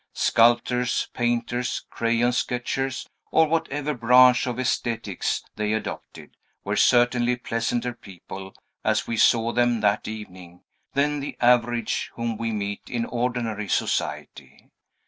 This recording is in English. Sculptors, painters, crayon sketchers, or whatever branch of aesthetics they adopted, were certainly pleasanter people, as we saw them that evening, than the average whom we meet in ordinary society.